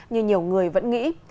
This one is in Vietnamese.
như nhiều người vẫn nghĩ